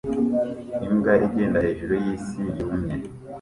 Imbwa igenda hejuru yisi yumye